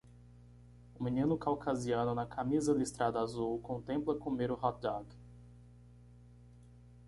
O menino caucasiano na camisa listrada azul contempla comer o hotdog.